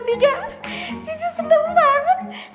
sisi seneng banget